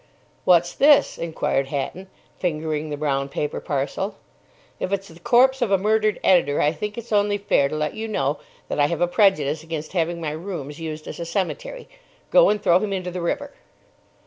"What's this?" inquired Hatton, fingering the brown paper parcel. "If it's the corpse of a murdered editor, I think it's only fair to let you know that I have a prejudice against having my rooms used as a cemetery. Go and throw him into the river."